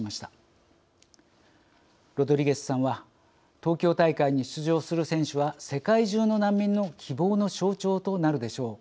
ロドリゲスさんは「東京大会に出場する選手は世界中の難民の希望の象徴となるでしょう。